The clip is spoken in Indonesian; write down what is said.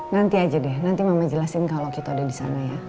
nanti aja deh nanti mama jelasin kalo kita udah disana ya